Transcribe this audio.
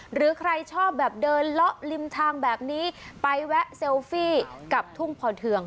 หรือใครชอบแบบเดินเลาะริมทางแบบนี้ไปแวะเซลฟี่กับทุ่งพอเทือง